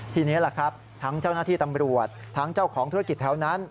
ทีนี้แหละครับทั้งเจ้าหน้าที่ตำรวจทั้งเจ้าของธุรกิจแถวนั้น